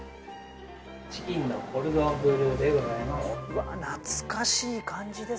チキンのコルドンブルーでございます。